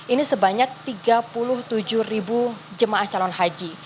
ini sebanyak tiga puluh tujuh ribu jemaah calon haji